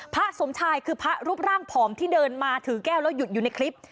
พระสมชายคือพระรูปร่างผอมที่เดินมาถือแก้วแล้วหยุดอยู่ในคลิป